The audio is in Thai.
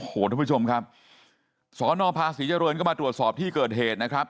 โอ้โหทุกผู้ชมครับสนภาษีเจริญก็มาตรวจสอบที่เกิดเหตุนะครับ